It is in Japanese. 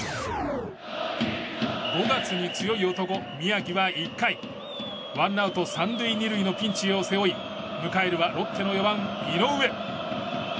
５月に強い男、宮城は１回ワンアウト３塁２塁のピンチを背負い迎えるはロッテの４番、井上。